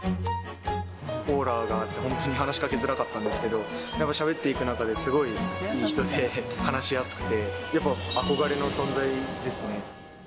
オーラがあって、本当に話しかけづらかったんですけど、しゃべっていく中で、すごいいい人で、話しやすくて、やっぱ憧れの存在ですね。